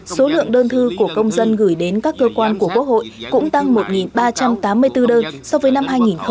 số lượng đơn thư của công dân gửi đến các cơ quan của quốc hội cũng tăng một ba trăm tám mươi bốn đơn so với năm hai nghìn một mươi tám